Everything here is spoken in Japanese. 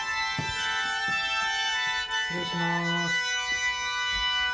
失礼します。